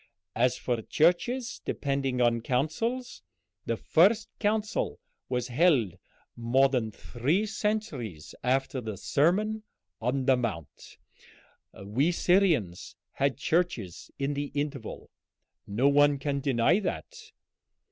As for churches depending on councils, the first council was held more than three centuries after the Sermon on the Mount. We Syrians had churches in the interval; no one can deny that.